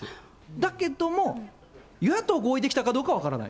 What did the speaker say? だけども、与野党合意できたかどうかは分からない。